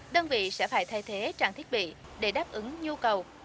đơn vị sẽ phải thay thế trang thiết bị để đáp ứng nhu cầu